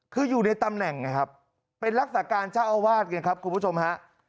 คืออยู่ในตำแหน่งเป็นรักษาการเจ้าอาวาสครับคุณผู้ชมครับ